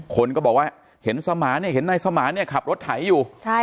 คนก็บอกว่าเห็นสมานเนี่ยเห็นนายสมานเนี่ยขับรถไถอยู่